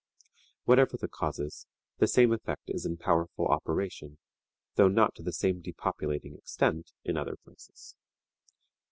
Whatever the causes, the same effect is in powerful operation, though not to the same depopulating extent, in other places.